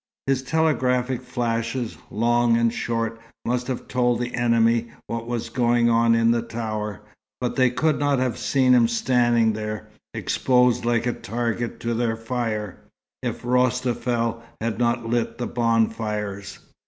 His telegraphic flashes, long and short, must have told the enemy what was going on in the tower, but they could not have seen him standing there, exposed like a target to their fire, if Rostafel had not lit the bonfires.